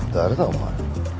お前。